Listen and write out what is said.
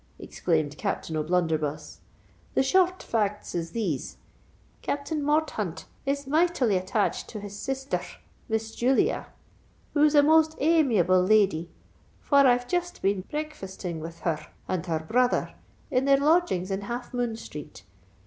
exclaimed Captain O'Blunderbuss. "The shor rt facts is these:—Capthain Morthaunt is mightily attached to his sisther r, Miss Julia, who's a most amiable lady—for I've jist been breakfasting with her r and her r brother at their lodgings in Half Moon Street.